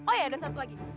oh iya dan satu lagi